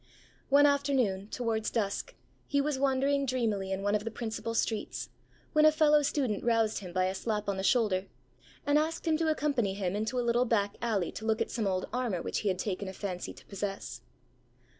One afternoon, towards dusk, he was wandering dreamily in one of the principal streets, when a fellow student roused him by a slap on the shoulder, and asked him to accompany him into a little back alley to look at some old armour which he had taken a fancy to possess.